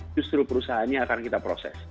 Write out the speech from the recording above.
justru perusahaannya akan kita proses